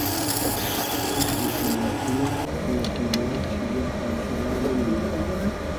اسل تۉرۂ ای یۂ کی یئگ میللئد شیجیر خاوشیلۂ نئمومنۂ